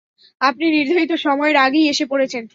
আপনি নির্ধারিত সময়ের আগেই এসে পড়েছেন।